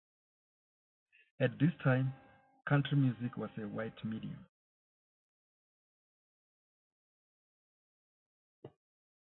At this time, country music was a white medium.